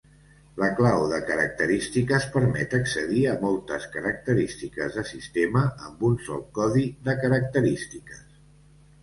La clau de característiques permet accedir a moltes característiques de sistema amb un sol codi de característiques.